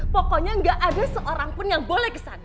pokoknya nggak ada seorang pun yang boleh kesana